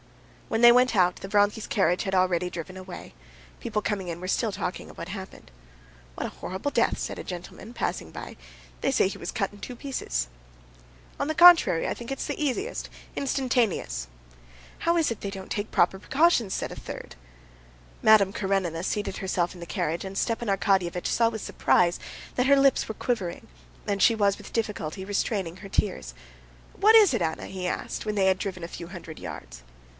When they went out the Vronsky's carriage had already driven away. People coming in were still talking of what happened. "What a horrible death!" said a gentleman, passing by. "They say he was cut in two pieces." "On the contrary, I think it's the easiest—instantaneous," observed another. "How is it they don't take proper precautions?" said a third. Madame Karenina seated herself in the carriage, and Stepan Arkadyevitch saw with surprise that her lips were quivering, and she was with difficulty restraining her tears. "What is it, Anna?" he asked, when they had driven a few hundred yards.